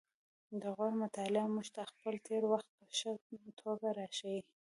د غور مطالعه موږ ته خپل تیر وخت په ښه توګه راښيي